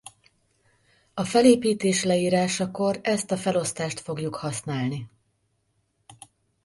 A felépítés leírásakor ezt a felosztást fogjuk használni.